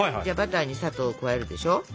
じゃあバターに砂糖を加えるでしょ。